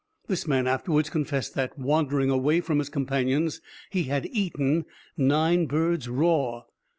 This man afterwards confessed that, wandering away from his companions, he had eaten nine birds raw.